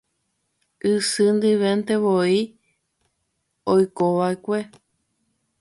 Isy ndiventevoi oikovaʼekue.